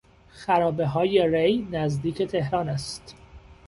خرابههای ری نزدیک تهران است.